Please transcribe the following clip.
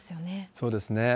そうですね。